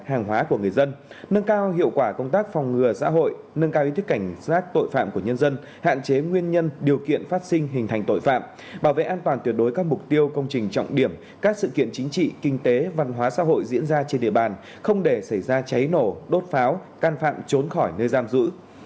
hàng hóa của người dân nâng cao hiệu quả công tác phòng ngừa xã hội nâng cao ý thức cảnh giác tội phạm của nhân dân hạn chế nguyên nhân điều kiện phát sinh hình thành tội phạm bảo vệ an toàn tuyệt đối các mục tiêu công trình trọng điểm các sự kiện chính trị kinh tế văn hóa xã hội diễn ra trên địa bàn không để xảy ra cháy nổ đốt pháo can phạm trốn khỏi nơi giam giữ